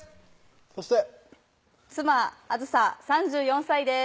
そして妻・梓３４歳です